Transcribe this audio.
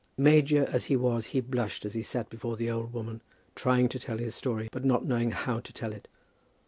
Major as he was, he blushed as he sat before the old woman, trying to tell his story, but not knowing how to tell it.